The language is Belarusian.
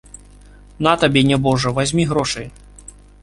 На табе, нябожа, вазьмі грошай.